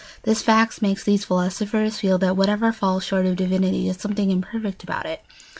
This fact makes these philosophers feel that whatever falls short of divinity has something imperfect about it.